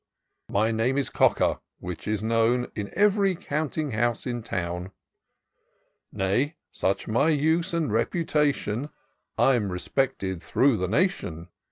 My name is Cocker, which is known In ev'ry 'counting house in town: Nay, such my use and reputation, I am respected through the nation.